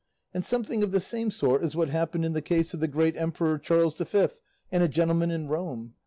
And something of the same sort is what happened in the case of the great emperor Charles V and a gentleman in Rome.